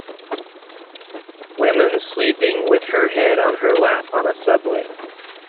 Women sleeping with her head on her lap on subway.